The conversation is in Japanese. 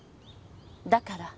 だから。